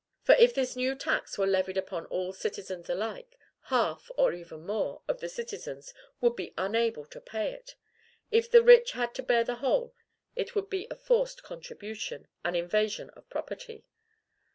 For, if this new tax were levied upon all citizens alike, half, or even more, of the citizens would be unable to pay it; if the rich had to bear the whole, it would be a forced contribution, an invasion of property.